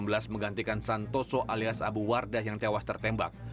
alikalora sejak dua ribu enam belas menggantikan santoso alias abu wardah yang tewas tertembak